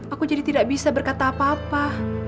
aku jadi tidak bisa berkata apa apa